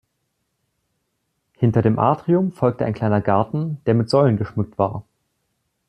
Hinter dem Atrium folgte ein kleiner Garten, der mit Säulen geschmückt war.